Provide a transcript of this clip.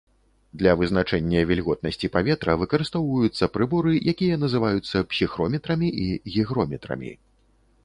Для вызначэння вільготнасці паветра выкарыстоўваюцца прыборы, якія называюцца псіхрометрамі і гігрометрамі.